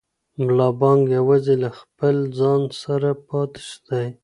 ملا بانګ یوازې له خپل ځان سره پاتې دی.